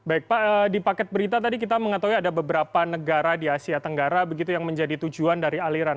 baik pak di paket berita tadi kita mengetahui ada beberapa negara di asia tenggara begitu yang menjadi tujuan dari aliran